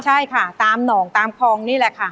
ใช่ค่ะตามหนองตามคลองนี่แหละค่ะ